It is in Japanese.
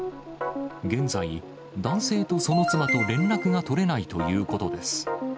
現在、男性とその妻と連絡が取れないということです。